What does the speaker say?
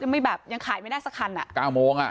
ไม่แบบยังขายไม่ได้สักคันอ่ะ๙โมงอ่ะ